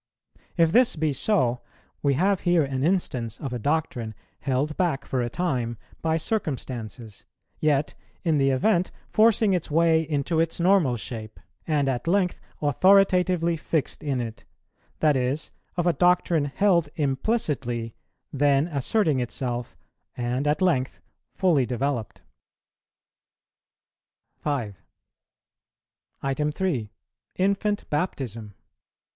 If this be so, we have here an instance of a doctrine held back for a time by circumstances, yet in the event forcing its way into its normal shape, and at length authoritatively fixed in it, that is, of a doctrine held implicitly, then asserting itself, and at length fully developed. 5. (3.) _Infant Baptism.